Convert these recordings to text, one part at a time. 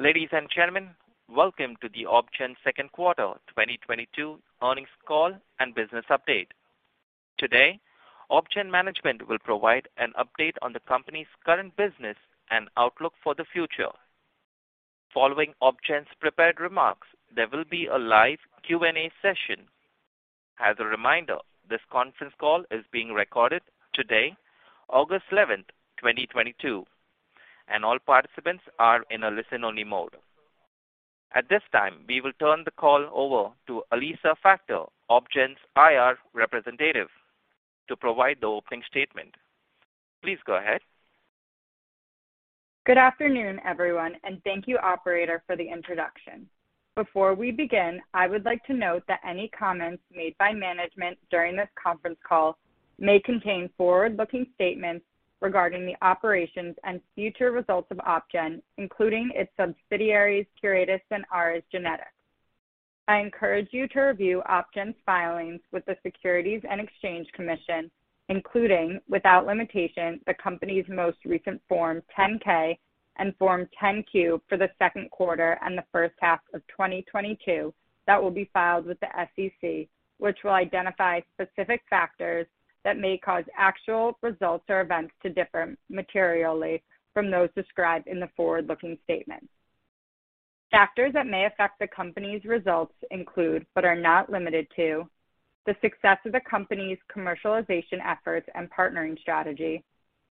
Ladies and gentlemen, welcome to OpGen's Q2 2022 Earnings Call and Business Update. Today, OpGen management will provide an update on the company's current business and outlook for the future. Following OpGen's prepared remarks, there will be a live Q&A session. As a reminder, this conference call is being recorded today, August 11, 2022, and all participants are in a listen-only mode. At this time, we will turn the call over to Alyssa Factor, OpGen's IR representative, to provide the opening statement. Please go ahead. Good afternoon, everyone, and thank you operator for the introduction. Before we begin, I would like to note that any comments made by management during this conference call may contain forward-looking statements regarding the operations and future results of OpGen, including its subsidiaries, Curetis and Ares Genetics. I encourage you to review OpGen's filings with the Securities and Exchange Commission, including, without limitation, the company's most recent Form 10-K and Form 10-Q for the second quarter and the first half of 2022 that will be filed with the SEC, which will identify specific factors that may cause actual results or events to differ materially from those described in the forward-looking statements. Factors that may affect the company's results include, but are not limited to, the success of the company's commercialization efforts and partnering strategy;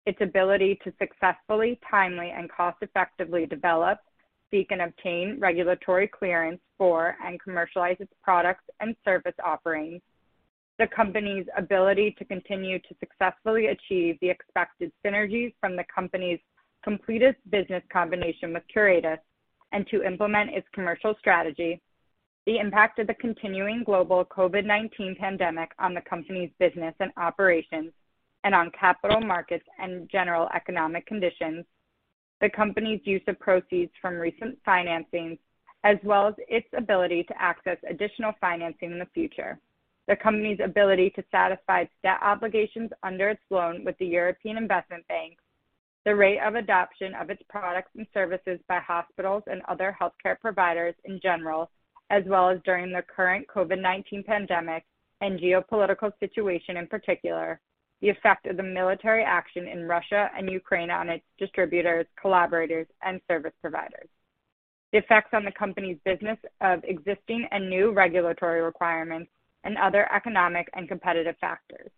ts ability to successfully, timely, and cost-effectively develop, seek and obtain regulatory clearance for and commercialize its products and service offerings; the company's ability to continue to successfully achieve the expected synergies from the company's completed business combination with Curetis and to implement its commercial strategy, the impact of the continuing global COVID-19 pandemic on the company's business and operations and on capital markets and general economic conditions; the company's use of proceeds from recent financings, as well as its ability to access additional financing in the future, the company's ability to satisfy debt obligations under its loan with the European Investment Bank; the rate of adoption of its products and services by hospitals and other healthcare providers in general, as well as during the current COVID-19 pandemic and geopolitical situation in particular; the effect of the military action in Russia and Ukraine on its distributors, collaborators, and service providers; the effects on the company's business of existing and new regulatory requirements and other economic and competitive factors.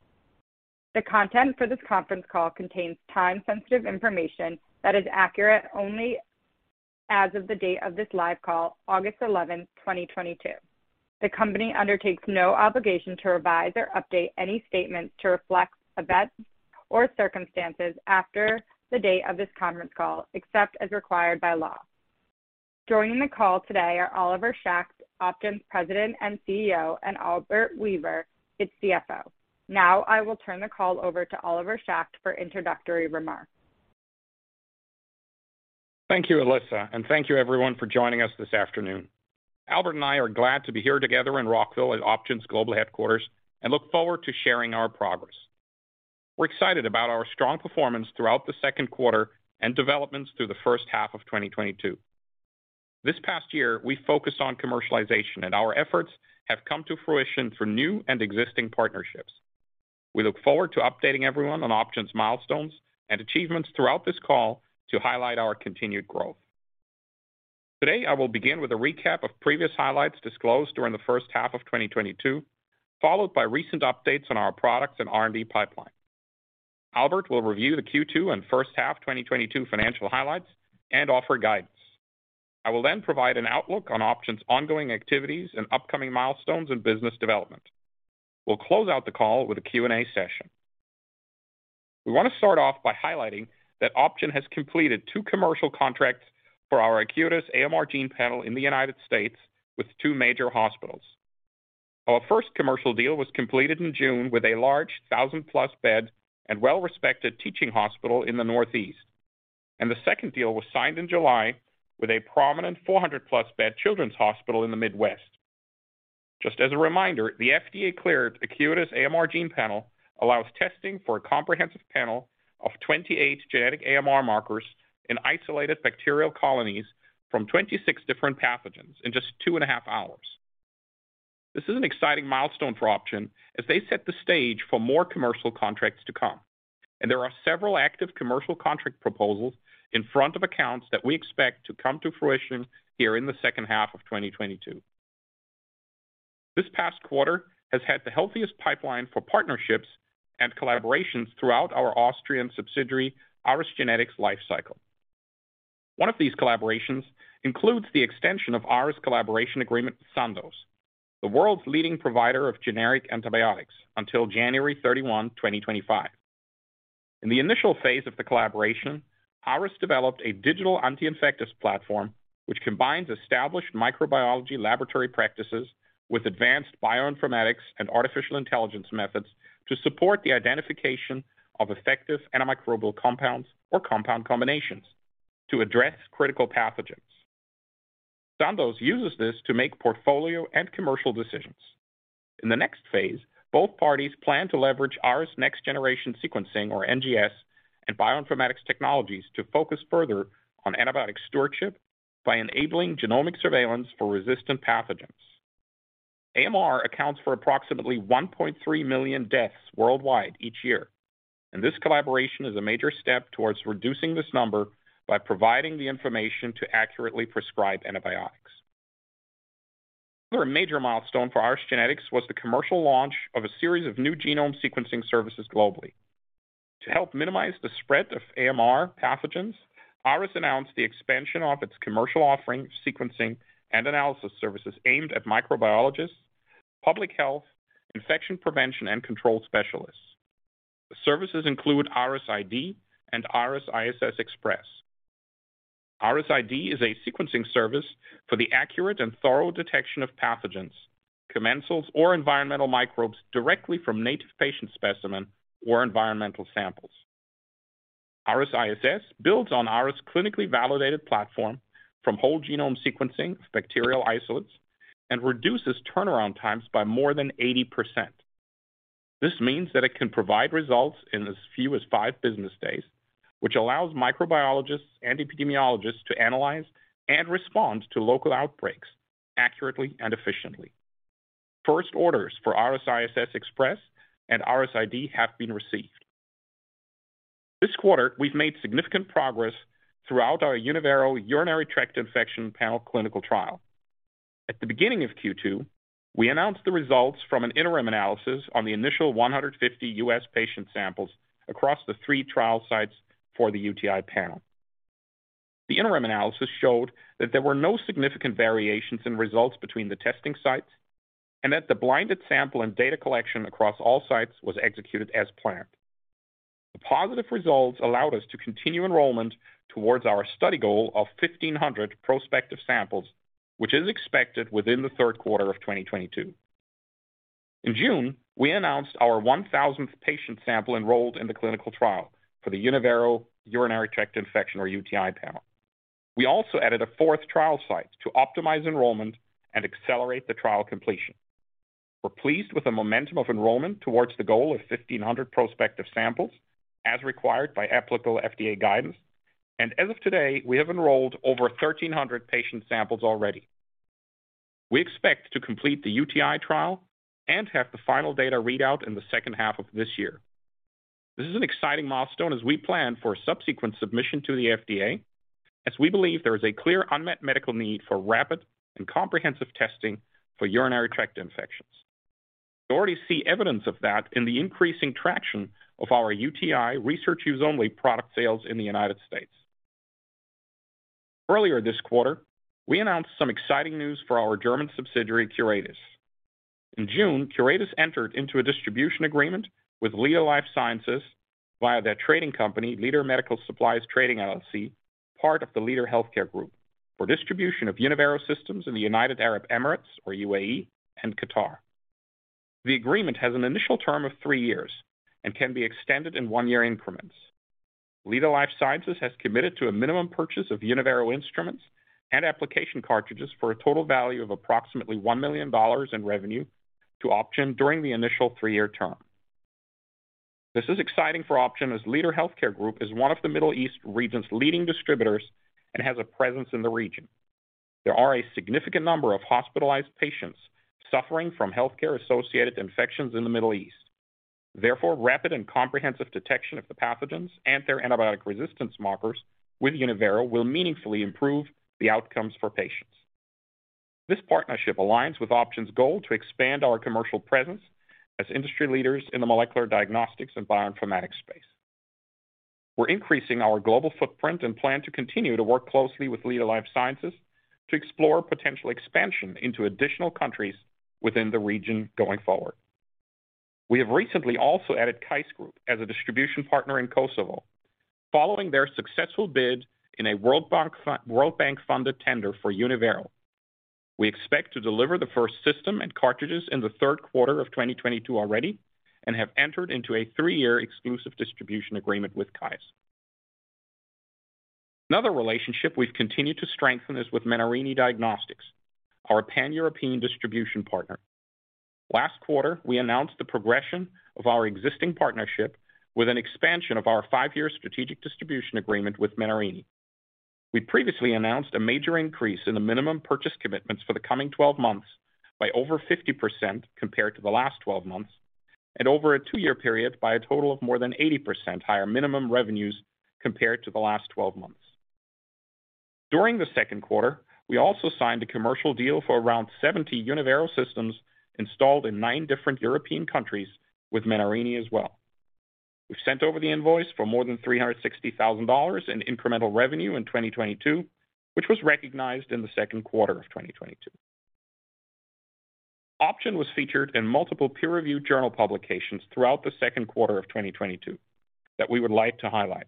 The content for this conference call contains time-sensitive information that is accurate only as of the date of this live call, August 11th, 2022. The company undertakes no obligation to revise or update any statements to reflect events or circumstances after the date of this conference call, except as required by law. Joining the call today are Oliver Schacht, OpGen's President and CEO, and Albert Weber, its CFO. Now I will turn the call over to Oliver Schacht for introductory remarks. Thank you, Alyssa, and thank you everyone for joining us this afternoon. Albert and I are glad to be here together in Rockville at OpGen's global headquarters and look forward to sharing our progress. We're excited about our strong performance throughout the second quarter and developments through the first half of 2022. This past year, we focused on commercialization, and our efforts have come to fruition for new and existing partnerships. We look forward to updating everyone on OpGen's milestones and achievements throughout this call to highlight our continued growth. Today, I will begin with a recap of previous highlights disclosed during the first half of 2022, followed by recent updates on our products and R&D pipeline. Albert will review the Q2 and first half of 2022 financial highlights and offer guidance. I will then provide an outlook on OpGen's ongoing activities and upcoming milestones and business development. We'll close out the call with a Q&A session. We want to start off by highlighting that OpGen has completed two commercial contracts for our Acuitas AMR Gene Panel in the United States with two major hospitals. Our first commercial deal was completed in June with a large 1,000-plus bed and well-respected teaching hospital in the Northeast. The second deal was signed in July with a prominent 400-plus bed children's hospital in the Midwest. Just as a reminder, the FDA-cleared Acuitas AMR Gene Panel allows testing for a comprehensive panel of 28 genetic AMR markers in isolated bacterial colonies from 26 different pathogens in just two and a half hours. This is an exciting milestone for OpGen as they set the stage for more commercial contracts to come. There are several active commercial contract proposals in front of accounts that we expect to come to fruition here in the second half of 2022. This past quarter has had the healthiest pipeline for partnerships and collaborations throughout our Austrian subsidiary, Ares Genetics lifecycle. One of these collaborations includes the extension of Ares collaboration agreement with Sandoz, the world's leading provider of generic antibiotics, until January 31, 2025. In the initial phase of the collaboration, Ares developed a digital anti-infectious platform, which combines established microbiology laboratory practices with advanced bioinformatics and artificial intelligence methods to support the identification of effective antimicrobial compounds or compound combinations to address critical pathogens. Sandoz uses this to make portfolio and commercial decisions. In the next phase, both parties plan to leverage Ares next generation sequencing, or NGS, and bioinformatics technologies to focus further on antibiotic stewardship by enabling genomic surveillance for resistant pathogens. AMR accounts for approximately 1.3 million deaths worldwide each year, and this collaboration is a major step towards reducing this number by providing the information to accurately prescribe antibiotics. Another major milestone for Ares Genetics was the commercial launch of a series of new genome sequencing services globally. To help minimize the spread of AMR pathogens, Ares announced the expansion of its commercial offering, sequencing, and analysis services aimed at microbiologists, public health, infection prevention and control specialists. The services include ARESid and ARESiss Express. ARESid is a sequencing service for the accurate and thorough detection of pathogens, commensals, or environmental microbes directly from native patient specimen or environmental samples. ARESiss builds on Ares clinically validated platform from whole genome sequencing of bacterial isolates and reduces turnaround times by more than 80%. This means that it can provide results in as few as five business days, which allows microbiologists and epidemiologists to analyze and respond to local outbreaks accurately and efficiently. First orders for ARESiss Express and ARESid have been received. This quarter, we've made significant progress throughout our Unyvero Urinary Tract Infection panel clinical trial. At the beginning of Q2, we announced the results from an interim analysis on the initial 150 US patient samples across the three trial sites for the UTI panel. The interim analysis showed that there were no significant variations in results between the testing sites, and that the blinded sample and data collection across all sites was executed as planned. The positive results allowed us to continue enrollment towards our study goal of 1,500 prospective samples, which is expected within the third quarter of 2022. In June, we announced our 1,000th patient sample enrolled in the clinical trial for the Unyvero Urinary Tract Infection or UTI panel. We also added a fourth trial site to optimize enrollment and accelerate the trial completion. We're pleased with the momentum of enrollment towards the goal of 1,500 prospective samples, as required by applicable FDA guidance. As of today, we have enrolled over 1,300 patient samples already. We expect to complete the UTI trial and have the final data readout in the second half of this year. This is an exciting milestone as we plan for a subsequent submission to the FDA, as we believe there is a clear unmet medical need for rapid and comprehensive testing for urinary tract infections. We already see evidence of that in the increasing traction of our UTI research use only product sales in the United States. Earlier this quarter, we announced some exciting news for our German subsidiary, Curetis. In June, Curetis entered into a distribution agreement with Leader Life Sciences via their trading company, Leader Medical Supplies Trading LLC, part of the Leader Healthcare Group, for distribution of Unyvero systems in the United Arab Emirates, or UAE, and Qatar. The agreement has an initial term of three years and can be extended in one-year increments. Leader Life Sciences has committed to a minimum purchase of Unyvero instruments and application cartridges for a total value of approximately $1 million in revenue to OpGen during the initial three-year term. This is exciting for OpGen as Leader Healthcare Group is one of the Middle East region's leading distributors and has a presence in the region. There are a significant number of hospitalized patients suffering from healthcare-associated infections in the Middle East. Therefore, rapid and comprehensive detection of the pathogens and their antibiotic resistance markers with Unyvero will meaningfully improve the outcomes for patients. This partnership aligns with OpGen's goal to expand our commercial presence as industry leaders in the molecular diagnostics and bioinformatics space. We're increasing our global footprint and plan to continue to work closely with Leader Life Sciences to explore potential expansion into additional countries within the region going forward. We have recently also added KEIS Group as a distribution partner in Kosovo, following their successful bid in a World Bank-funded tender for Unyvero. We expect to deliver the first system and cartridges in the third quarter of 2022 already and have entered into a three-year exclusive distribution agreement with KEIS. Another relationship we've continued to strengthen is with Menarini Diagnostics, our Pan-European distribution partner. Last quarter, we announced the progression of our existing partnership with an expansion of our five-year strategic distribution agreement with Menarini. We previously announced a major increase in the minimum purchase commitments for the coming 12 months by over 50% compared to the last 12 months, and over a two-year period by a total of more than 80% higher minimum revenues compared to the last 12 months. During the second quarter, we also signed a commercial deal for around 70 Unyvero systems installed in nine different European countries with Menarini as well. We've sent over the invoice for more than $360,000 in incremental revenue in 2022, which was recognized in the second quarter of 2022. OpGen was featured in multiple peer-reviewed journal publications throughout the second quarter of 2022 that we would like to highlight.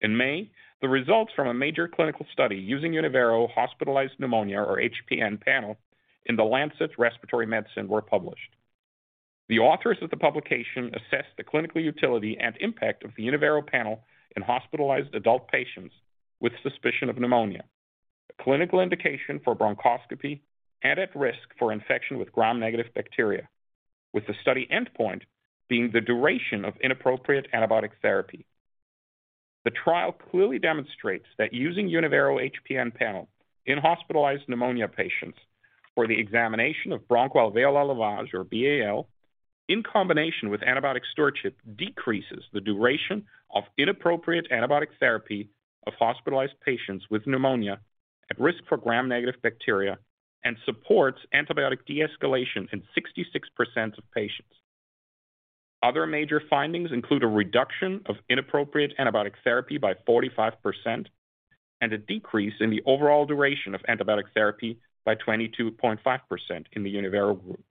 In May, the results from a major clinical study using Unyvero Hospitalized Pneumonia or HPN panel in The Lancet Respiratory Medicine were published. The authors of the publication assessed the clinical utility and impact of the Unyvero panel in hospitalized adult patients with suspicion of pneumonia, a clinical indication for bronchoscopy and at risk for infection with gram-negative bacteria, with the study endpoint being the duration of inappropriate antibiotic therapy. The trial clearly demonstrates that using Unyvero HPN panel in hospitalized pneumonia patients for the examination of bronchoalveolar lavage, or BAL, in combination with antibiotic stewardship, decreases the duration of inappropriate antibiotic therapy of hospitalized patients with pneumonia at risk for gram-negative bacteria and supports antibiotic de-escalation in 66% of patients. Other major findings include a reduction of inappropriate antibiotic therapy by 45% and a decrease in the overall duration of antibiotic therapy by 22.5% in the Unyvero group.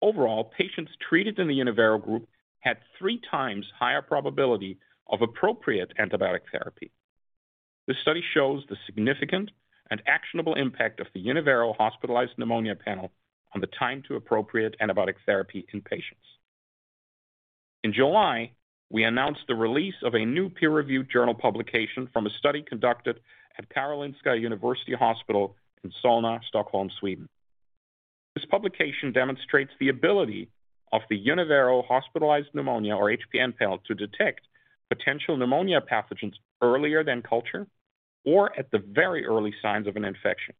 Overall, patients treated in the Unyvero group had three times higher probability of appropriate antibiotic therapy. This study shows the significant and actionable impact of the Unyvero Hospitalized Pneumonia Panel on the time to appropriate antibiotic therapy in patients. In July, we announced the release of a new peer-reviewed journal publication from a study conducted at Karolinska University Hospital in Solna, Stockholm, Sweden. This publication demonstrates the ability of the Unyvero Hospitalized Pneumonia or HPN Panel to detect potential pneumonia pathogens earlier than culture or at the very early signs of an infection.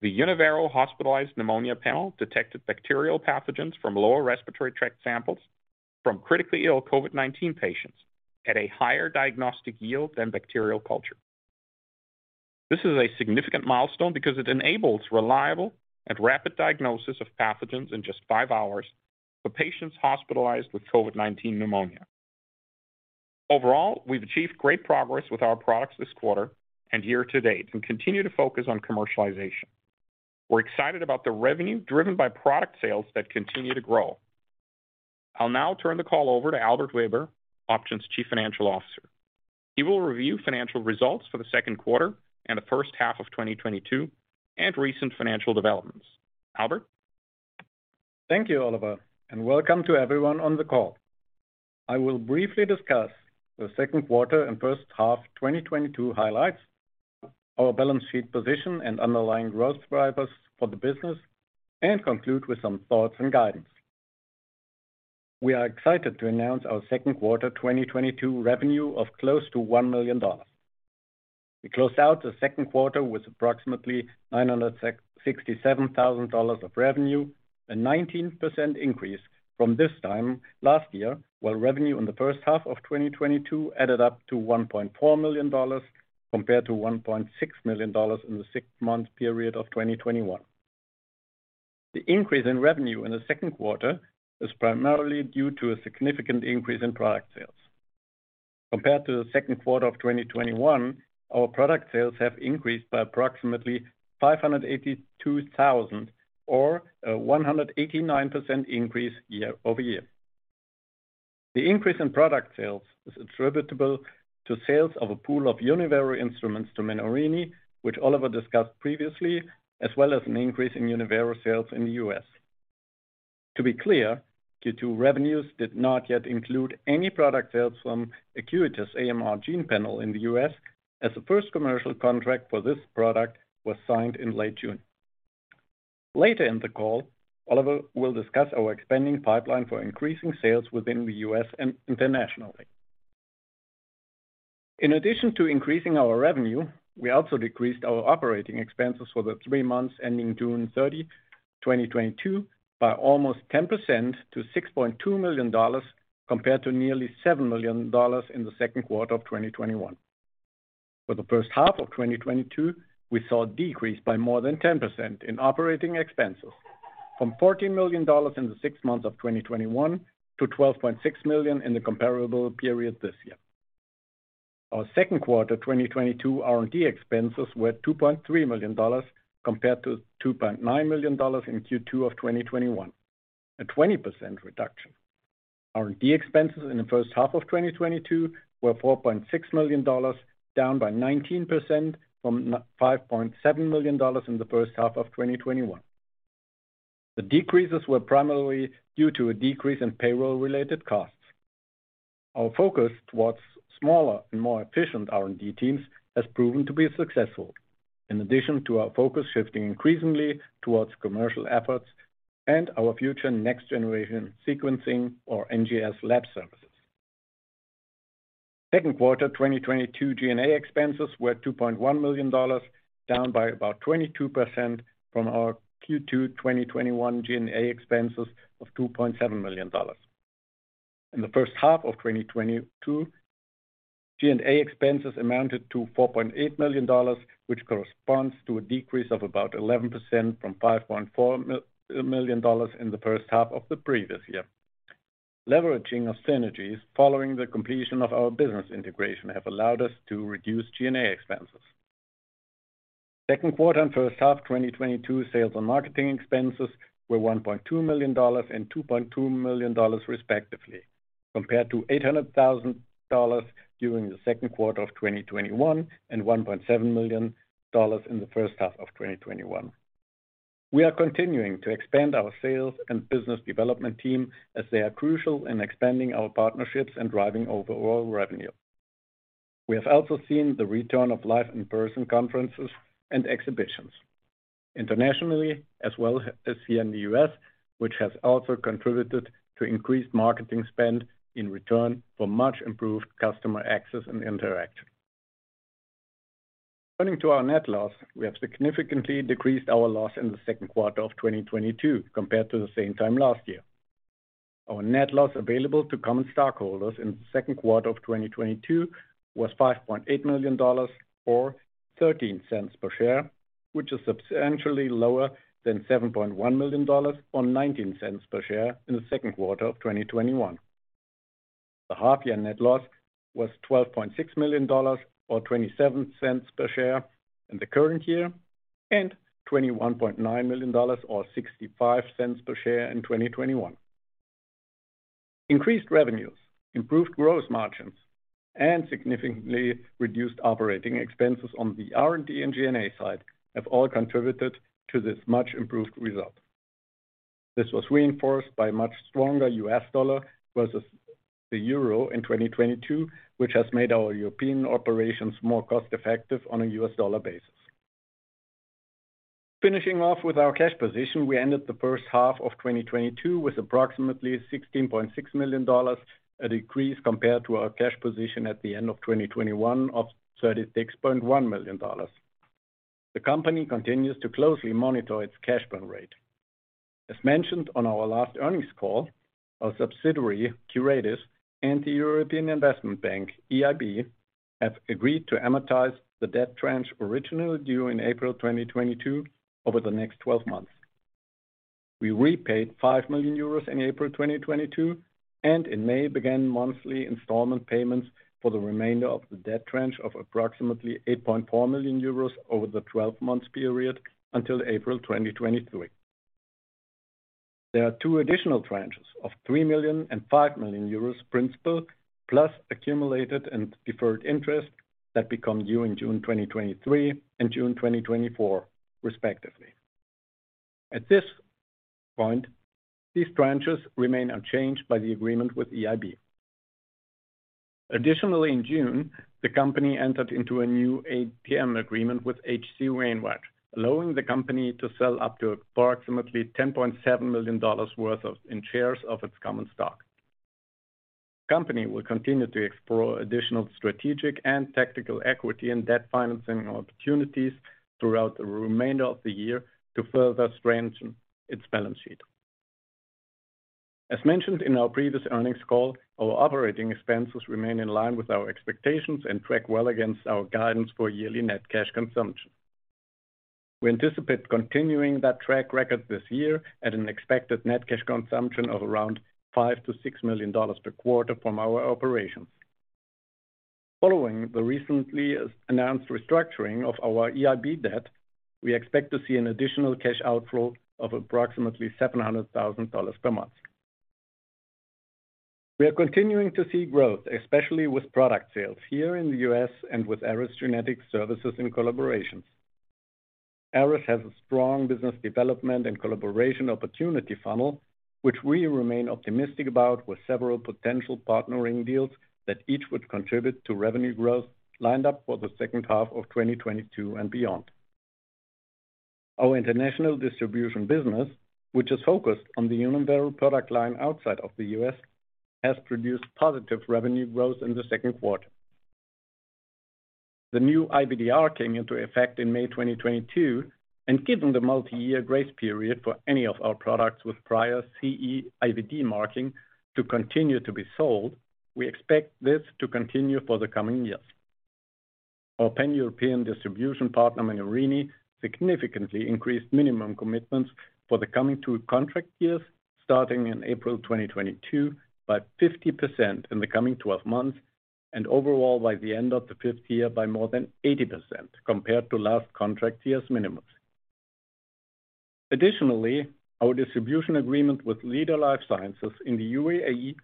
The Unyvero Hospitalized Pneumonia Panel detected bacterial pathogens from lower respiratory tract samples from critically ill COVID-19 patients at a higher diagnostic yield than bacterial culture. This is a significant milestone because it enables reliable and rapid diagnosis of pathogens in just five hours for patients hospitalized with COVID-19 pneumonia. Overall, we've achieved great progress with our products this quarter and year to date and continue to focus on commercialization. We're excited about the revenue driven by product sales that continue to grow. I'll now turn the call over to Albert Weber, OpGen's Chief Financial Officer. He will review financial results for the second quarter and the first half of 2022 and recent financial developments. Albert. Thank you, Oliver, and welcome to everyone on the call. I will briefly discuss the second quarter and first half 2022 highlights, our balance sheet position and underlying growth drivers for the business, and conclude with some thoughts and guidance. We are excited to announce our second quarter 2022 revenue of close to $1 million. We closed out the second quarter with approximately $967,000 of revenue, a 19% increase from this time last year, while revenue in the first half of 2022 added up to $1.4 million compared to $1.6 million in the six-month period of 2021. The increase in revenue in the second quarter is primarily due to a significant increase in product sales. Compared to the second quarter of 2021, our product sales have increased by approximately $582,000, or a 189% increase year-over-year. The increase in product sales is attributable to sales of a pool of Unyvero instruments to Menarini, which Oliver discussed previously, as well as an increase in Unyvero sales in the U.S. To be clear, Q2 revenues did not yet include any product sales from Acuitas AMR Gene Panel in the U.S. as the first commercial contract for this product was signed in late June. Later in the call, Oliver will discuss our expanding pipeline for increasing sales within the U.S. and internationally. In addition to increasing our revenue, we also decreased our operating expenses for the three months ending June 30, 2022 by almost 10% to $6.2 million compared to nearly $7 million in the second quarter of 2021. For the first half of 2022, we saw a decrease by more than 10% in operating expenses from $14 million in the six months of 2021 to $12.6 million in the comparable period this year. Our second quarter 2022 R&D expenses were $2.3 million compared to $2.9 million in Q2 of 2021, a 20% reduction. R&D expenses in the first half of 2022 were $4.6 million, down by 19% from $5.7 million in the first half of 2021. The decreases were primarily due to a decrease in payroll-related costs. Our focus towards smaller and more efficient R&D teams has proven to be successful. In addition to our focus shifting increasingly towards commercial efforts and our future next generation sequencing or NGS lab services. Second quarter 2022 G&A expenses were $2.1 million, down by about 22% from our Q2 2021 G&A expenses of $2.7 million. In the first half of 2022, G&A expenses amounted to $4.8 million, which corresponds to a decrease of about 11% from $5.4 million in the first half of the previous year. Leveraging of synergies following the completion of our business integration have allowed us to reduce G&A expenses. Second quarter and first half 2022 sales and marketing expenses were $1.2 million and $2.2 million respectively. Compared to $800,000 during the second quarter of 2021, and $1.7 million in the first half of 2021. We are continuing to expand our sales and business development team as they are crucial in expanding our partnerships and driving overall revenue. We have also seen the return of live in-person conferences and exhibitions internationally as well as here in the U.S., which has also contributed to increased marketing spend in return for much improved customer access and interaction. Turning to our net loss, we have significantly decreased our loss in the second quarter of 2022 compared to the same time last year. Our net loss available to common stockholders in the second quarter of 2022 was $5.8 million or $0.13 per share, which is substantially lower than $7.1 million or $0.19 per share in the second quarter of 2021. The half year net loss was $12.6 million or $0.27 per share in the current year, and $21.9 million or $0.65 per share in 2021. Increased revenues, improved gross margins, and significantly reduced operating expenses on the R&D and G&A side have all contributed to this much improved result. This was reinforced by much stronger US dollar versus the euro in 2022, which has made our European operations more cost-effective on a US dollar basis. Finishing off with our cash position, we ended the first half of 2022 with approximately $16.6 million, a decrease compared to our cash position at the end of 2021 of $36.1 million. The company continues to closely monitor its cash burn rate. As mentioned on our last earnings call, our subsidiary, Curetis, and the European Investment Bank, EIB, have agreed to amortize the debt tranche originally due in April 2022 over the next twelve months. We repaid 5 million euros in April 2022, and in May began monthly installment payments for the remainder of the debt tranche of approximately 8.4 million euros over the twelve months period until April 2023. There are two additional tranches of 3 million and 5 million euros principal, plus accumulated and deferred interest that become due in June 2023 and June 2024, respectively. At this point, these tranches remain unchanged by the agreement with EIB. Additionally, in June, the company entered into a new ATM agreement with H.C. Wainwright & Co., allowing the company to sell up to approximately $10.7 million in shares of its common stock. Company will continue to explore additional strategic and tactical equity and debt financing opportunities throughout the remainder of the year to further strengthen its balance sheet. As mentioned in our previous earnings call, our operating expenses remain in line with our expectations and track well against our guidance for yearly net cash consumption. We anticipate continuing that track record this year at an expected net cash consumption of around $5 million -$6 million per quarter from our operations. Following the recently announced restructuring of our EIB debt, we expect to see an additional cash outflow of approximately $700,000 per month. We are continuing to see growth, especially with product sales here in the U.S. and with Ares Genetics services in collaboration. Ares has a strong business development and collaboration opportunity funnel, which we remain optimistic about with several potential partnering deals that each would contribute to revenue growth lined up for the second half of 2022 and beyond. Our international distribution business, which is focused on the Unyvero product line outside of the U.S., has produced positive revenue growth in the second quarter. The new IVDR came into effect in May 2022, and given the multi-year grace period for any of our products with prior CE IVD marking to continue to be sold, we expect this to continue for the coming years. Our pan-European distribution partner, Menarini, significantly increased minimum commitments for the coming two contract years, starting in April 2022 by 50% in the coming 12 months, and overall by the end of the fifth year by more than 80% compared to last contract year's minimums. Additionally, our distribution agreement with Leader Life Sciences in the UAE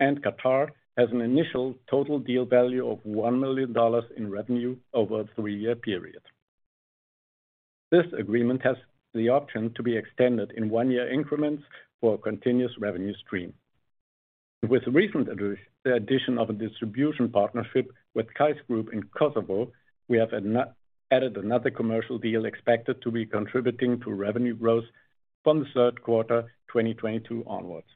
and Qatar has an initial total deal value of $1 million in revenue over a three-year period. This agreement has the option to be extended in one-year increments for a continuous revenue stream. With the recent addition of a distribution partnership with KEIS Group in Kosovo, we have added another commercial deal expected to be contributing to revenue growth from the third quarter 2022 onwards.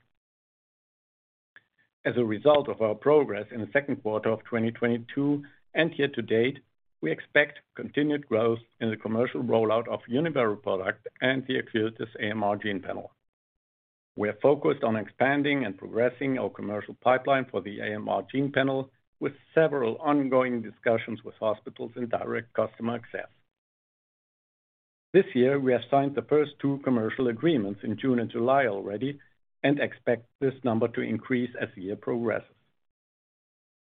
As a result of our progress in the second quarter of 2022 and year to date, we expect continued growth in the commercial rollout of Unyvero product and the Acuitas AMR Gene Panel. We are focused on expanding and progressing our commercial pipeline for the AMR gene panel with several ongoing discussions with hospitals and direct customer access. This year, we have signed the first two commercial agreements in June and July already and expect this number to increase as the year progresses.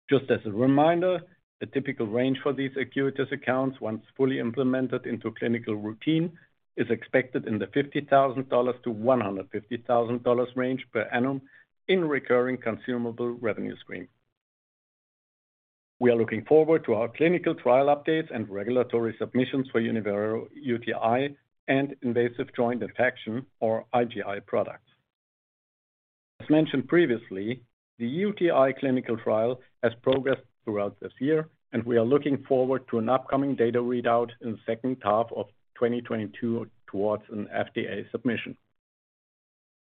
Just as a reminder, the typical range for these Acuitas accounts, once fully implemented into clinical routine, is expected in the $50,000-$150,000 range per annum in recurring consumable revenue stream. We are looking forward to our clinical trial updates and regulatory submissions for Unyvero UTI and invasive joint infection, or IJI, products. As mentioned previously, the UTI clinical trial has progressed throughout this year, and we are looking forward to an upcoming data readout in the second half of 2022 towards an FDA submission.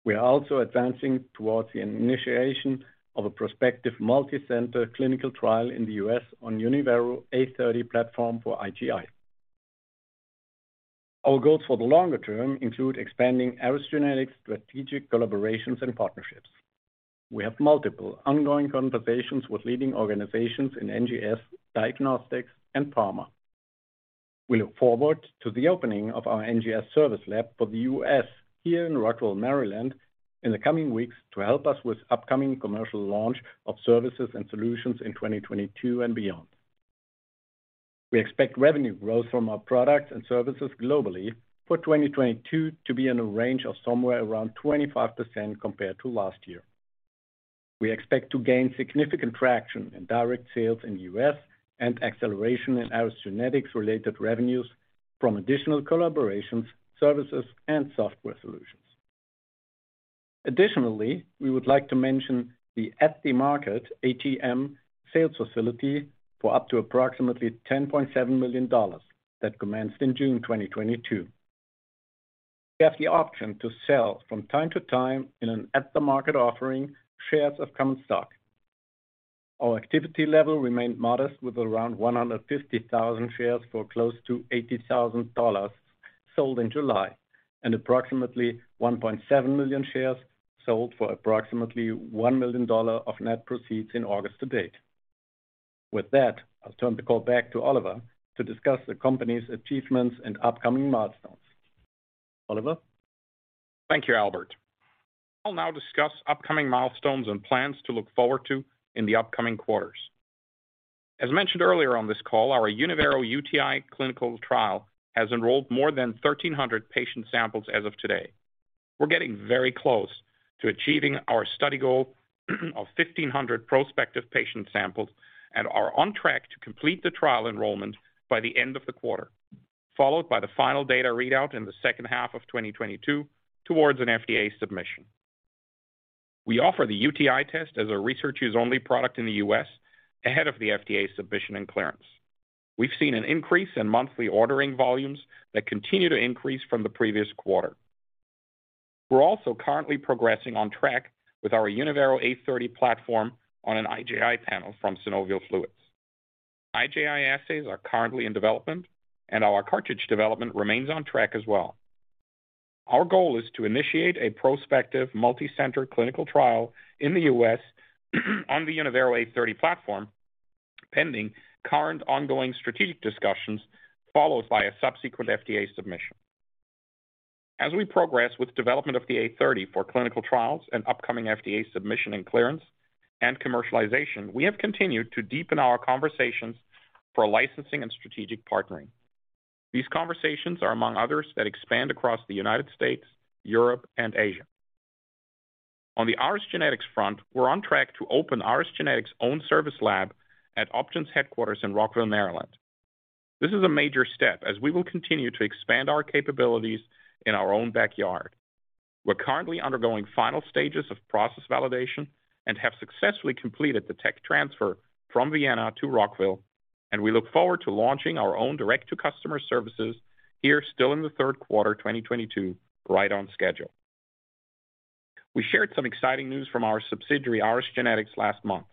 We are also advancing towards the initiation of a prospective multicenter clinical trial in the U.S. on Unyvero A30 platform for IJI. Our goals for the longer term include expanding Ares Genetics' strategic collaborations and partnerships. We have multiple ongoing conversations with leading organizations in NGS, diagnostics, and pharma. We look forward to the opening of our NGS service lab for the US here in Rockville, Maryland, in the coming weeks to help us with upcoming commercial launch of services and solutions in 2022 and beyond. We expect revenue growth from our products and services globally for 2022 to be in a range of somewhere around 25% compared to last year. We expect to gain significant traction in direct sales in the US and acceleration in Ares Genetics related revenues from additional collaborations, services, and software solutions. Additionally, we would like to mention the at-the-market, ATM, sales facility for up to approximately $10.7 million that commenced in June 2022. We have the option to sell from time to time in an at-the-market offering shares of common stock. Our activity level remained modest, with around 150,000 shares for close to $80,000 sold in July and approximately 1.7 million shares sold for approximately $1 million of net proceeds in August to date. With that, I'll turn the call back to Oliver to discuss the company's achievements and upcoming milestones. Oliver? Thank you, Albert. I'll now discuss upcoming milestones and plans to look forward to in the upcoming quarters. As mentioned earlier on this call, our Unyvero UTI clinical trial has enrolled more than 1,300 patient samples as of today. We're getting very close to achieving our study goal of 1,500 prospective patient samples and are on track to complete the trial enrollment by the end of the quarter, followed by the final data readout in the second half of 2022 towards an FDA submission. We offer the UTI test as a researchers-only product in the U.S. ahead of the FDA submission and clearance. We've seen an increase in monthly ordering volumes that continue to increase from the previous quarter. We're also currently progressing on track with our Unyvero A30 platform on an IJI panel from synovial fluids. IJI assays are currently in development, and our cartridge development remains on track as well. Our goal is to initiate a prospective multicenter clinical trial in the U.S. on the Unyvero A30 platform, pending current ongoing strategic discussions, followed by a subsequent FDA submission. As we progress with development of the A30 for clinical trials and upcoming FDA submission and clearance and commercialization, we have continued to deepen our conversations for licensing and strategic partnering. These conversations are among others that expand across the United States, Europe, and Asia. On the Ares Genetics front, we're on track to open Ares Genetics' own service lab at OpGen's headquarters in Rockville, Maryland. This is a major step as we will continue to expand our capabilities in our own backyard. We're currently undergoing final stages of process validation and have successfully completed the tech transfer from Vienna to Rockville, and we look forward to launching our own direct-to-customer services here still in the third quarter, 2022, right on schedule. We shared some exciting news from our subsidiary, Ares Genetics, last month.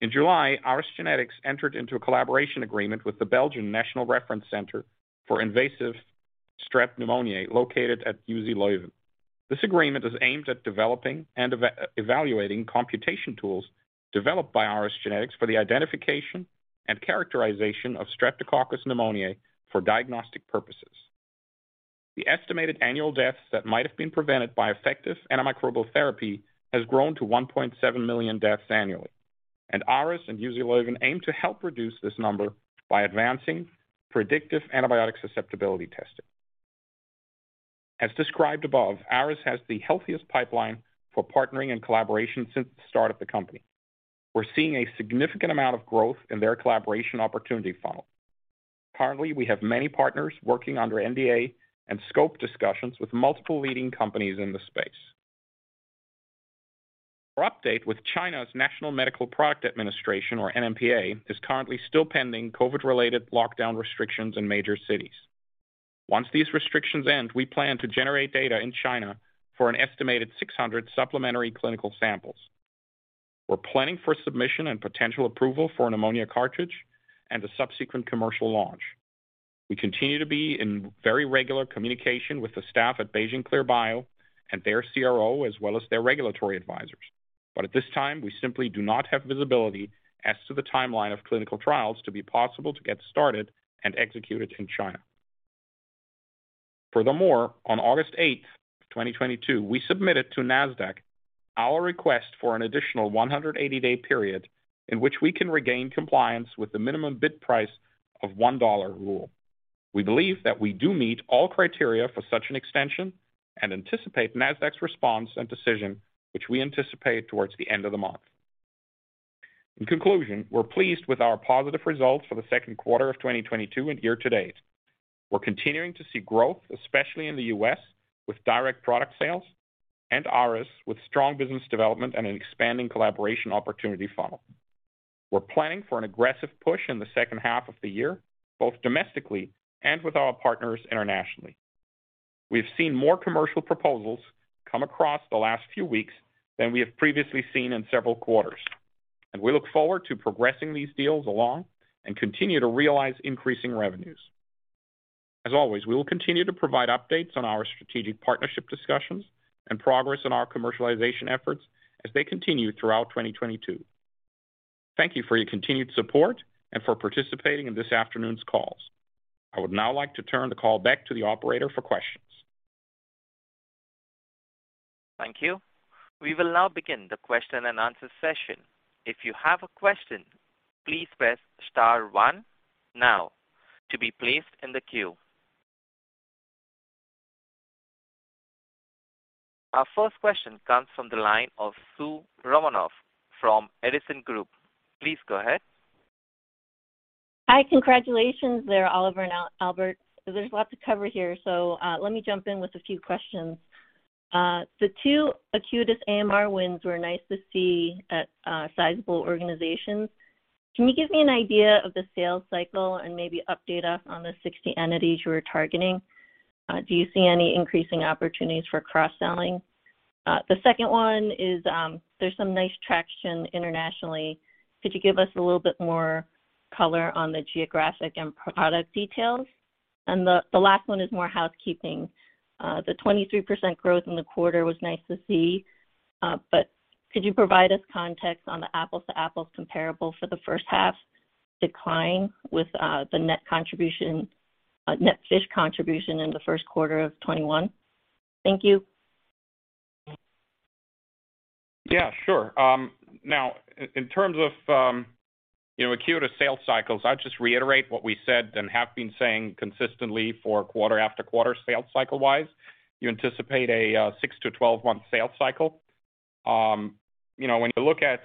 In July, Ares Genetics entered into a collaboration agreement with the Belgian National Reference Center for invasive Strep pneumoniae, located at UZ Leuven. This agreement is aimed at developing and evaluating computational tools developed by Ares Genetics for the identification and characterization of Streptococcus pneumoniae for diagnostic purposes. The estimated annual deaths that might have been prevented by effective antimicrobial therapy has grown to 1.7 million deaths annually, and Ares and UZ Leuven aim to help reduce this number by advancing predictive antibiotic susceptibility testing. As described above, Ares has the healthiest pipeline for partnering and collaboration since the start of the company. We're seeing a significant amount of growth in their collaboration opportunity funnel. Currently, we have many partners working under NDA and scope discussions with multiple leading companies in the space. Our update with China's National Medical Product Administration, or NMPA, is currently still pending COVID-related lockdown restrictions in major cities. Once these restrictions end, we plan to generate data in China for an estimated 600 supplementary clinical samples. We're planning for submission and potential approval for a pneumonia cartridge and a subsequent commercial launch. We continue to be in very regular communication with the staff at Beijing Clear Biotech and their CRO, as well as their regulatory advisors. At this time, we simply do not have visibility as to the timeline of clinical trials to be possible to get started and executed in China. Furthermore, on August 8, 2022, we submitted to Nasdaq our request for an additional 180-day period in which we can regain compliance with the minimum bid price of $1 rule. We believe that we do meet all criteria for such an extension and anticipate Nasdaq's response and decision, which we anticipate towards the end of the month. In conclusion, we're pleased with our positive results for the second quarter of 2022 and year to date. We're continuing to see growth, especially in the U.S., with direct product sales and ARES with strong business development and an expanding collaboration opportunity funnel. We're planning for an aggressive push in the second half of the year, both domestically and with our partners internationally. We've seen more commercial proposals come across the last few weeks than we have previously seen in several quarters, and we look forward to progressing these deals along and continue to realize increasing revenues. As always, we will continue to provide updates on our strategic partnership discussions and progress on our commercialization efforts as they continue throughout 2022. Thank you for your continued support and for participating in this afternoon's calls. I would now like to turn the call back to the operator for questions. Thank you. We will now begin the question-and-answer session. If you have a question, please press star one now to be placed in the queue. Our first question comes from the line of Soo Romanoff from Edison Group. Please go ahead. Hi. Congratulations there, Oliver and Albert. There's a lot to cover here, let me jump in with a few questions. The two Acuitas AMR wins were nice to see at sizable organizations. Can you give me an idea of the sales cycle and maybe update us on the 60 entities you were targeting? Do you see any increasing opportunities for cross-selling? The second one is, there's some nice traction internationally. Could you give us a little bit more color on the geographic and product details? The last one is more housekeeping. The 23% growth in the quarter was nice to see, but could you provide us context on the apples to apples comparable for the first half decline with the net FISH contribution in the first quarter of 2021? Thank you. Yeah, sure. Now in terms of you know, Acuitas sales cycles, I'd just reiterate what we said and have been saying consistently for quarter after quarter sales cycle-wise. You anticipate a six to 12-month sales cycle. You know, when you look at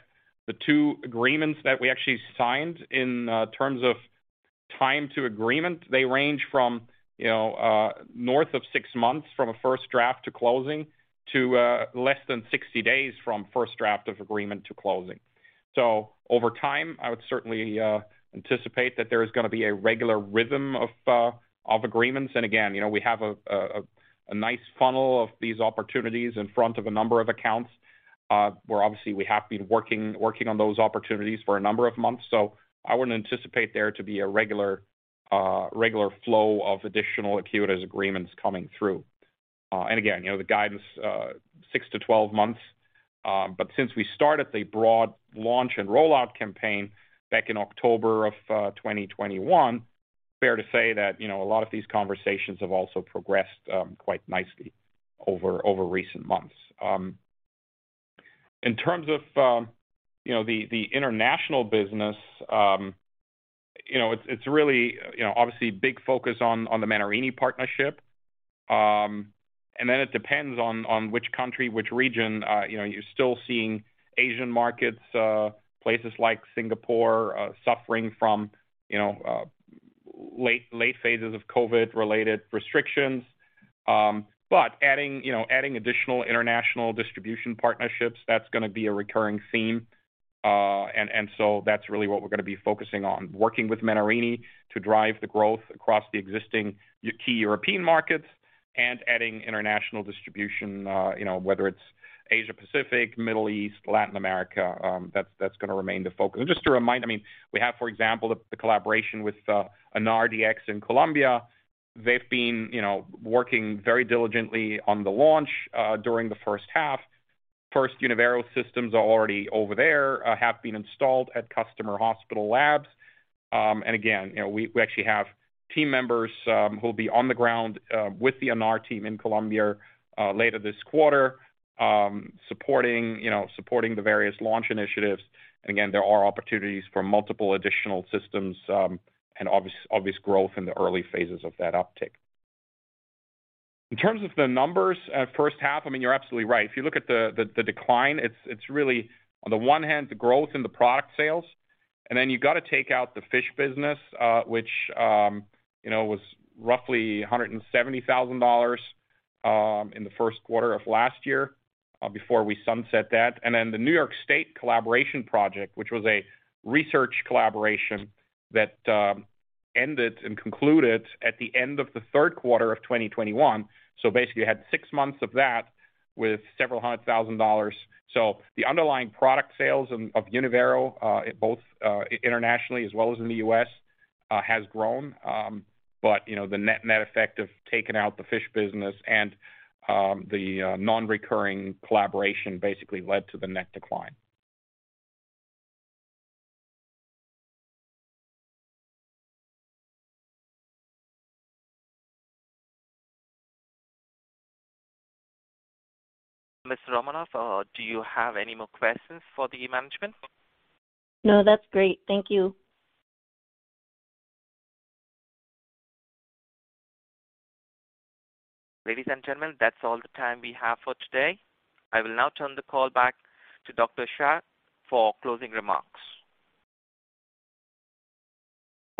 the two agreements that we actually signed in terms of time to agreement, they range from north of six months from a first draft to closing to less than 60 days from first draft of agreement to closing. Over time, I would certainly anticipate that there is gonna be a regular rhythm of agreements. Again, you know, we have a nice funnel of these opportunities in front of a number of accounts where obviously we have been working on those opportunities for a number of months. I wouldn't anticipate there to be a regular flow of additional Acuitas agreements coming through. Again, you know, the guidance six to 12 months, but since we started the broad launch and rollout campaign back in October of 2021, fair to say that, you know, a lot of these conversations have also progressed quite nicely over recent months. In terms of, you know, the international business, you know, it's really, you know, obviously big focus on the Menarini partnership. It depends on which country, which region. You know, you're still seeing Asian markets, places like Singapore, suffering from, you know, late phases of COVID-related restrictions. Adding additional international distribution partnerships, that's gonna be a recurring theme. That's really what we're gonna be focusing on, working with Menarini to drive the growth across the existing key European markets and adding international distribution, you know, whether it's Asia-Pacific, Middle East, Latin America. That's gonna remain the focus. Just to remind, I mean, we have, for example, the collaboration with Annar Dx in Colombia. They've been, you know, working very diligently on the launch during the first half. First Unyvero systems are already over there, have been installed at customer hospital labs. Again, you know, we actually have team members who will be on the ground with the Annar team in Colombia later this quarter, supporting, you know, the various launch initiatives. Again, there are opportunities for multiple additional systems, and obvious growth in the early phases of that uptick. In terms of the numbers at first half, I mean, you're absolutely right. If you look at the decline, it's really on the one hand the growth in the product sales, and then you've got to take out the FISH business, which, you know, was roughly $170,000 in the first quarter of last year, before we sunset that. Then the New York State collaboration project, which was a research collaboration that ended and concluded at the end of the third quarter of 2021. Basically you had six months of that with several hundred thousand dollars. The underlying product sales of Unyvero both internationally as well as in the US has grown. You know, the net effect of taking out the FISH business and the non-recurring collaboration basically led to the net decline. Miss Romanoff, do you have any more questions for the management? No, that's great. Thank you. Ladies and gentlemen, that's all the time we have for today. I will now turn the call back to Dr. Schacht for closing remarks.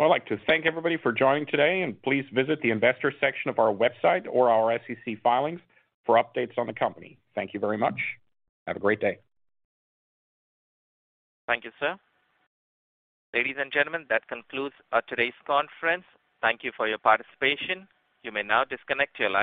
I'd like to thank everybody for joining today, and please visit the investor section of our website or our SEC filings for updates on the company. Thank you very much. Have a great day. Thank you, sir. Ladies and gentlemen, that concludes today's conference. Thank you for your participation. You may now disconnect your lines.